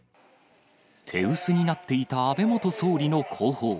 手薄になっていた安倍元総理の後方。